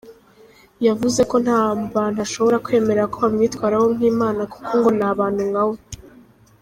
Yavuze ko nta bantu ashobora kwemerera ko bamwitwaraho nk’Imana kuko ngon’abantu nkawe.